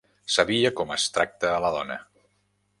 Sabia com es tracta a la dona